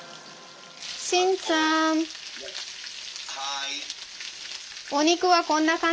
・はい。